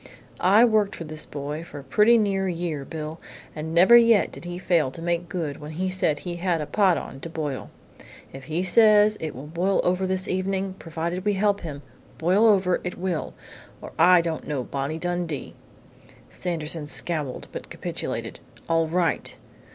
"I worked with this boy for pretty near a year, Bill, and never yet did he fail to make good when he said he had a pot on to boil. If he says it will boil over this evening, provided we help him, boil over it will, or I don't know Bonnie Dundee!" Sanderson scowled but capitulated. "All right!